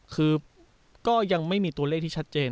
คือก็ยังไม่มีตัวเลขที่ชัดเจน